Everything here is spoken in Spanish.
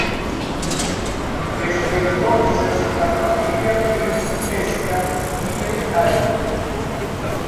Desde entonces la familia principesca vive ahí.